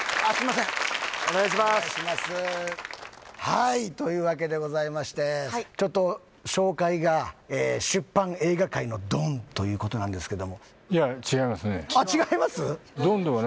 はいというわけでございましてちょっと紹介が「出版・映画界のドン」ということなんですけどもあっ違います？